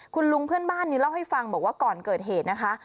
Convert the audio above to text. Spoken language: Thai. คุณลุงเพื่อนบ้านนี้เล่าให้ฟังบอกว่าก่อนเกิดเหตุนะคะ